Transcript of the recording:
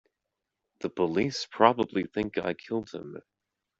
The police probably think I killed him.